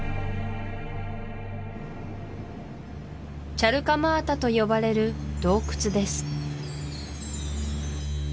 チャルカマータと呼ばれる洞窟です